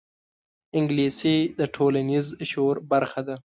انګلیسي د ټولنیز شعور برخه ده